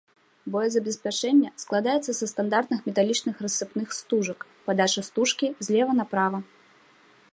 Боезабеспячэнне складаецца са стандартных металічных рассыпных стужак, падача стужкі злева направа.